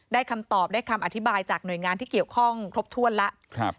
คำตอบได้คำอธิบายจากหน่วยงานที่เกี่ยวข้องครบถ้วนแล้ว